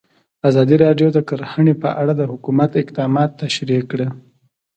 ازادي راډیو د کرهنه په اړه د حکومت اقدامات تشریح کړي.